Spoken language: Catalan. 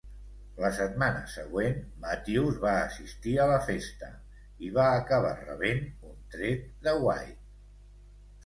La setmana següent, Mathews va assistir a la festa i va acabar rebent un tret de White.